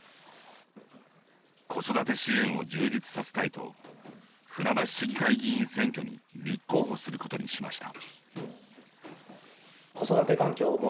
子育て支援を充実させたいと船橋市議会議員選挙に立候補することにしました。